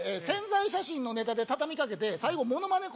材写真のネタで畳みかけて最後モノマネ